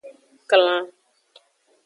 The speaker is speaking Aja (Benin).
Klan.